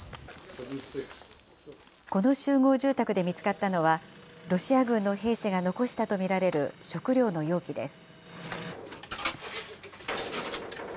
この集合住宅で見つかったのは、ロシア軍の兵士が残したと見られる食料の容器です。